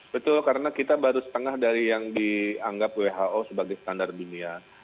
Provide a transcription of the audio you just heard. betul karena kita baru setengah dari yang dianggap who sebagai standar dunia